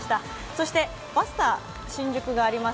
そしてバスタ新宿があります。